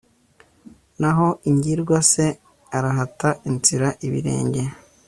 naho ingirwa se arahata inzira ibirenge.